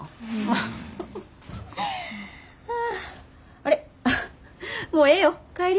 あれもうええよ帰り。